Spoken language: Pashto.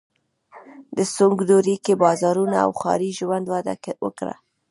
د سونګ دورې کې بازارونه او ښاري ژوند وده وکړه.